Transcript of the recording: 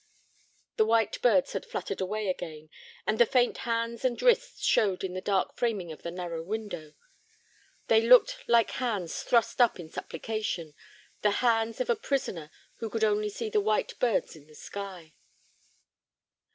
The white birds had fluttered away again, and the faint hands and wrists showed in the dark framing of the narrow window. They looked like hands thrust up in supplication, the hands of a prisoner who could only see the white birds and the sky.